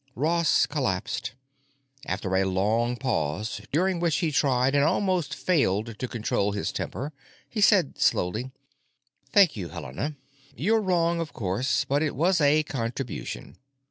Ross collapsed. After a long pause during which he tried and almost failed to control his temper he said slowly: "Thank you, Helena. You're wrong, of course, but it was a contribution.